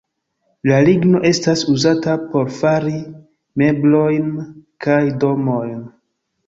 La ligno estas uzata por fari meblojn kaj domojn.